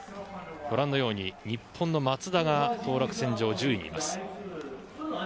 日本の松田が当落線上の１０位にいます。